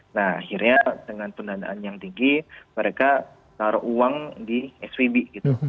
nah akhirnya dengan pendanaan yang tinggi mereka taruh uang di svb gitu